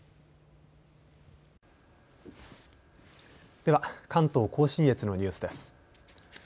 では関東甲信越のニュースです。